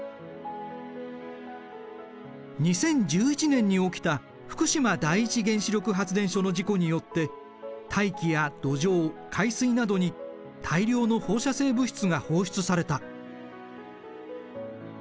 ２０１１年に起きた福島第一原子力発電所の事故によって大気や土壌海水などに大量の放射性物質が放出された。